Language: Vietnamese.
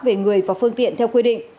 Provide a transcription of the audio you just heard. về người và phương tiện theo quy định